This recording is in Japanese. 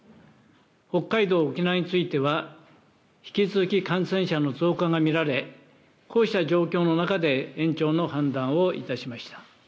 北海道、沖縄については、引き続き感染者の増加が見られ、こうした状況の中で延長の判断をいたしました。